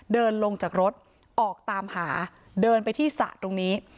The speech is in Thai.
เดินลงจากรถออกตามหาเดินไปที่สระตรงนี้